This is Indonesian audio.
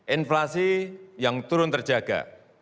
inflasi yang turun terjaga